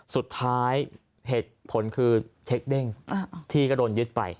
สุดท้ายเหตุผลคือเช็คเด้งที่ก็โดนยึดไป